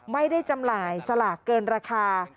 ไม่ได้จำลายสลักเกินราคา